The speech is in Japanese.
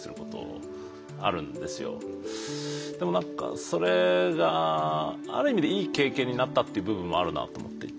でも何かそれがある意味でいい経験になったっていう部分もあるなと思っていて。